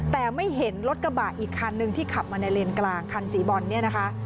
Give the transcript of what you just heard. แต่ไม่เห็นรถกระบะอีกคันหนึ่งที่ขับมาในเลนกลางคันสีบอลเนี่ยนะคะ